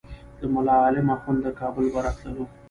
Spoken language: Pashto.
د ملا عالم اخند له کلي به راتللو.